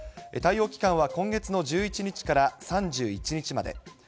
対応期間は今月の１１日から３１日まで。